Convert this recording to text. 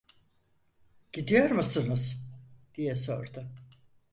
"Gidiyor musunuz?" diye sordu.